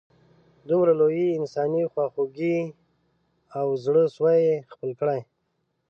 دومره لویې انسانې خواږۍ او زړه سوي یې خپل کړي.